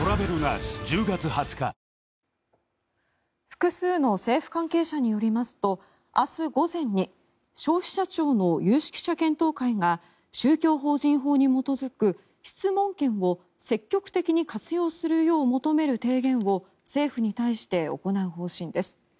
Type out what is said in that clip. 複数の政府関係者によりますと明日午前に消費者庁の有識者検討会が宗教法人法に基づく質問権を積極的に活用するよう求める提言を政府に対して行う方針です。